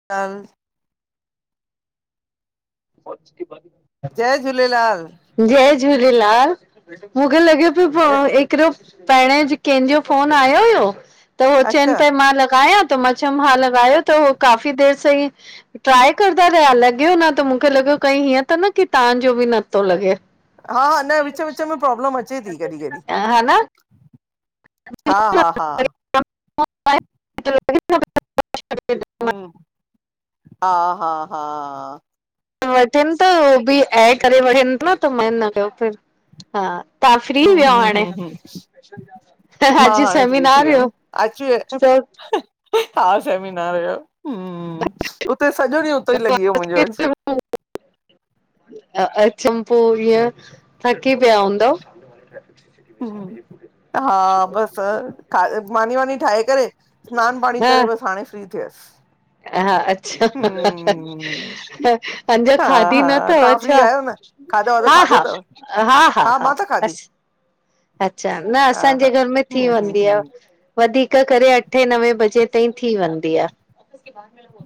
[unintelligible] फौज की बन, जय झूलेलाल। जय झूलेलाल, मूंखे लॻे पियो प हिकड़ो पेरें जी कंहिंजो फोन आयो हुयो त हो अच्छा चवनि पिया मां लॻायां त मां चयोम हा लॻयो त हो काफ़ी देर सां ई ट्राए करदा रहिया लॻियो न त मुं खे लॻो कई हीअं त न की तव्हां जो बि नथो लॻे। हा हा न विच विच में प्रॉब्लम अचे थी कॾहिं कॾहिं हा न, हा हा हा, [unintelligible] [unintelligible] हम्म, हा हा हा। वठन त हो बि ए करे वठनि त मन कयो फिर हा। तहां फ्री हम हुयव हम हाणे? हम हम मां अॼु हाणे फ्री थी सेमिनार वियम, हुयो अच हा सेमिनार हुयो, हूं, उते सॼो ॾींहं उतो ई लॻी वियो मुंजो अॼु। अच्छम पोइ इअ थकी पिया हूंदव [inaudible] ह हा बस मानी वानी ठाहे करे स्नान पाणी करे बसि हाणे फ्री थियसि ह हा अच्छा हम अंञा हा खाधी न हा अथव तव्हां फ्री छा आहियो न खाधो वाधो हा खाधो हा अथव हा हा हा मां त अ खाधी अच्छा न हा हा असांजे घर में हम थी हम वेंदी हम आहे वधीक करे अठे नवे बजे ताईं थी वेंदी आहे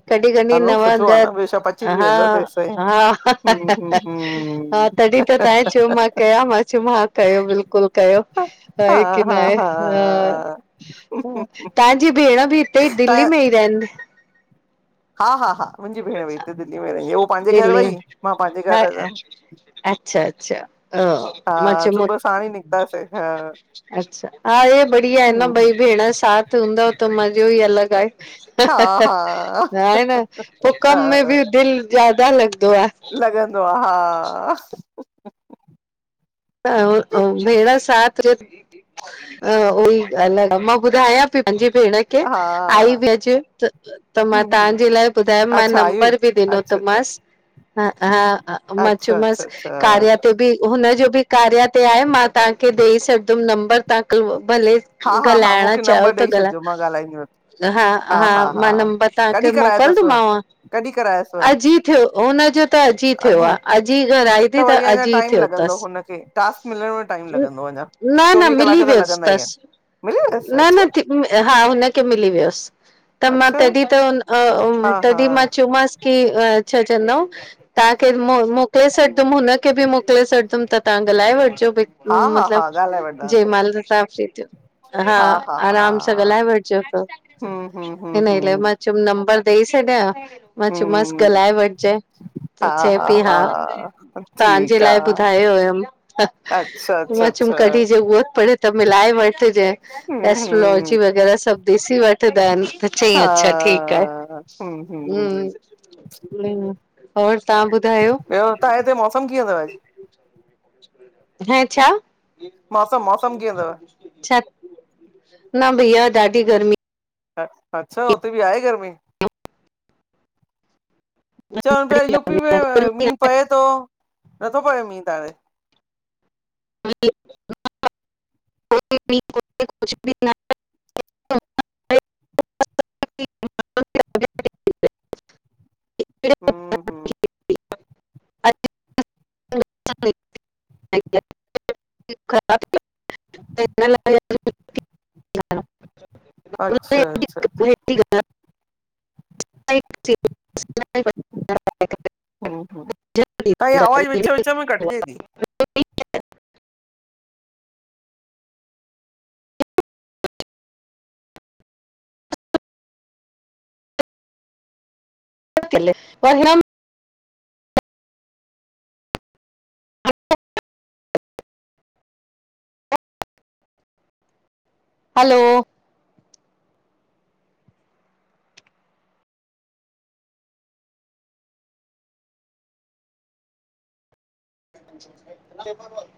कॾहिं कॾहि हलो नव सुठो आ ॾह न ॿियो छा पची बि हा वेंदो तेसि ताईं हा हा हूं हूं हा हूं हा तॾहिं त तव्हां चयो मां कया मां चयो मां कयो बिल्कुलु ॿियो हा हाए कि हा नाहे हा ह तव्हांजी भेण बि हिते ई त दिल्ली में ई रहंदी हा हा हा मुंहिंजी भेण बि हिते दिल्ली में रहंदी आहे उह पंहिंजे घर दिल्ली वई में मां पंहिंजे हा घर वयम अच्छा अच्छा हा मां हा चयो सुबह साणी निकतासि हा अच्छा हा इ बढिया आहे न हूं हूं ॿई भेण साथ हूंदव त मज़ो ई अलग आहे ह हा ह हा ह आहे न पोइ कम में हा बि दिलि ज्यादा लॻंदो आहे लॻंदो आहे हा भेण साथ उहई ॻालि आहे मां ॿुधायां पंहिंजी भेण खे आई हा बि अचे त मां हूं हूं तव्हांजे लाइ ॿुधायमि मां अच्छा इहो ई नंबर बि ॾिनो अच्छा अच्छा ह हा म अच्छा अच्छा चयोमासि अच्छा कार्या ते बि हुन जो बि कार्या ते आहे मां तव्हांखे ॾेई छॾंदमि नंबर तव्हां कल भले हा हा हा ॻलाइण मूंखे चयो नंबर त ॾेई ॻल छॾिजो मां ॻाल्हाईंदीमस हा हा मां नंबर कॾहिं तव्हांखे करायो अथसि मोकिलंदीमाव कॾहिं करायोसि अॼु थियो हुनजो त अॼु थियो आहे अॼु ही घराई थी त वरी अञा अॼु ई टाइम थियो लॻंदो अथसि हुनखे टास्क मिलण में टाइम लॻंदो अञा। न न चोवीह कलाक मिली त वियसि लॻंदा ई आहिनि असि मिली वियसि न अच्छा न ठीक हा हुनखे मिली वियसि त मां अच्छा तॾहिं त हा उ हा। तॾहिं मां चयोमासि की छा चवंदा आहियूं तव्हांखे मोकिले छॾिंदुमि हुनखे बि मोकिले छॾिंदुमि त तव्हां ॻाल्हाए वठिजो भई हा हा हा ॻाल्हाए मतलबु ज वठंदासीं महिल साफ़ [unintelligible] थीयो हा आराम सा ॻाल्हाइ वठजो पोइ हम्म हम्म हम्म हिन ई लाइ हम्म। मा चयुम नंबर ॾेई छॾियां मां चयोमासि हम्म ॻाल्हाए वठजाइ हा त चए पई हा तव्हांजे ठीकु लाइ आ। ॿुधायो हुयम अच्छा अच्छा मां चयुम अच्छा कॾहि जरूरण पये त मिलाए वठजे हम्म हम्म एस्ट्रोलॉजी वग़ैरह सभु ॾिसी वठंदा आहिन त चयई अच्छा ठीकु आहे ह हम्म हम हम और तव्हां ॿुधायो त हिते मौसम कीअंं तो रहे छा मौसम मौसम कीअं अथव न भईया ॾाढी गर्मी अच्छा हुते बि आए गर्मी चवा पियो यूपी में मींहुं पए थो नथो पए मींहुं तव्हां ॾे [unintelligible] कुझ बि न। हम्म हम्म। [unintelligible] [unintelligible] अच्छा अच्छा अच्छा। [unintelligible] हूं हूं ताई आवाज विच विच में कटजे थी। [unintelligible] हलो, [inaudible]